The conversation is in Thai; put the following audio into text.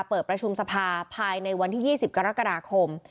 เปิดประชุมสภาภายในวันที่๒๐กรกฎาคม